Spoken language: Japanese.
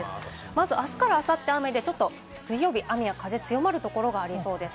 まず明日から明後日、雨で、水曜日は雨風、強まるところがありそうです。